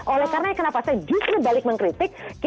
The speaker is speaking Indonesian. oleh karena kenapa saya justru balik mengkritik